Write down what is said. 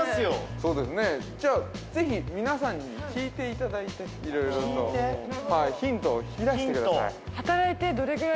そうですねじゃあぜひ皆さんに聞いていただいて色々なことをはいヒントを引き出してください